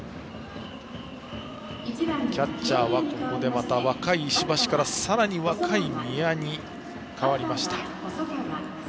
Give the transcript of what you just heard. キャッチャーはここで若い石橋からさらに若い味谷に代わりました。